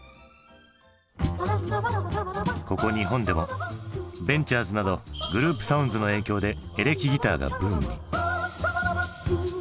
ここ日本でもベンチャーズなどグループサウンズの影響でエレキギターがブームに。